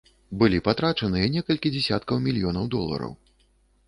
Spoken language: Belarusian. Былі патрачаныя некалькі дзясяткаў мільёнаў долараў.